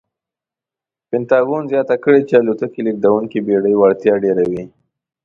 پنټاګون زیاته کړې چې الوتکې لېږدونکې بېړۍ وړتیا ډېروي.